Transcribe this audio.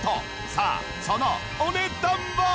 さあそのお値段は！？